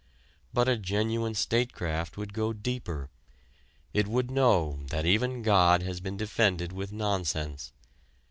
But a genuine statecraft would go deeper. It would know that even God has been defended with nonsense.